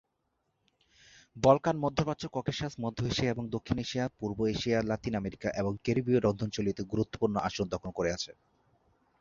Balkan, মধ্যপ্রাচ্য, Caucasus, মধ্য Asia এবং দক্ষিণ এশিয়া, পূর্ব এশিয়া, লাতিন আমেরিকা এবং ক্যারিবীয় রন্ধনশৈলীতে গুরুত্বপূর্ণ আসন দখল করে আছে।